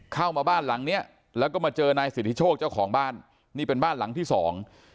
เข้ามาบ้านหลังเนี้ยแล้วก็มาเจอนายสิทธิโชคเจ้าของบ้านนี่เป็นบ้านหลังที่สอง